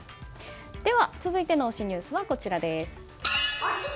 では続いての推しニュースはこちらです。